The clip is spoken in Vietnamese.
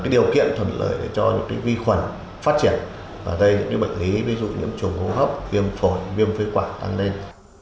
điều kiện thuận lợi cho những vi khuẩn phát triển bệnh lý ví dụ những chủng hô hấp viêm phổi viêm phế quả tăng lên